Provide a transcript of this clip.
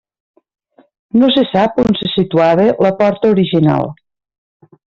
No se sap on se situava la porta original.